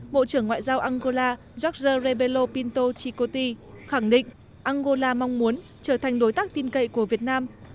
mộ trưởng ngoại giao angola george rebello pinto chikoti khẳng định angola mong muốn trở thành đối tác tin cậy của việt nam